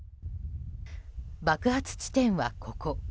爆発地点は、ここ。